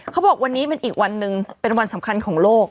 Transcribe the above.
เขาบอกวันนี้เป็นอีกวันหนึ่งเป็นวันสำคัญของโลก